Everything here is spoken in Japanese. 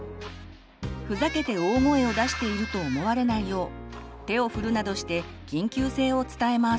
ふざけて大声を出していると思われないよう手を振るなどして緊急性を伝えます。